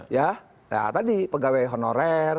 ya tadi pegawai honorer